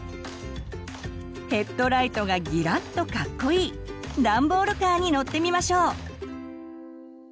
ヘッドライトがギラッとかっこいいダンボールカーに乗ってみましょう！